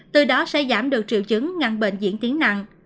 từ đó sẽ giảm được triệu chứng ngăn bệnh diễn tiến nặng